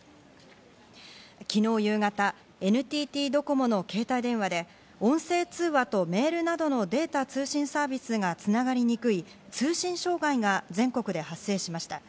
昨日夕方、ＮＴＴドコモの携帯電話で音声通話とメールなどのデータ通信サービスが繋がりにくい通信障害が全国で発生しました。